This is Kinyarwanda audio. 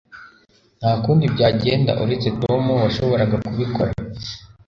Nta kundi byagenda uretse Tom washoboraga kubikora.